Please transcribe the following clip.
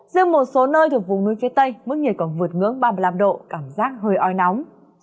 riêng một số nơi thuộc vùng núi phía tây mức nhiệt còn vượt ngưỡng ba mươi năm độ cảm giác hơi oi nóng